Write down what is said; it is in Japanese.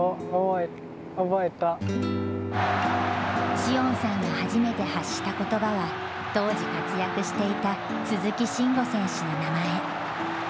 詩音さんが初めて発した言葉は当時活躍していた鈴木慎吾選手の名前。